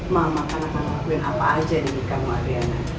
mama kan akan lakuin apa aja di nikahmu adriana